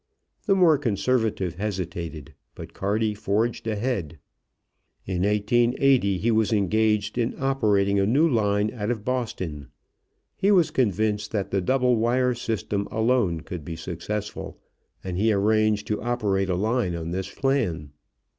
The more conservative hesitated, but Carty forged ahead. In 1880 he was engaged in operating a new line out of Boston. He was convinced that the double wire system alone could be successful, and he arranged to operate a line on this plan.